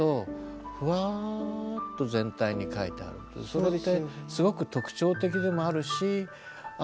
そこがすごく特徴的でもあるしあ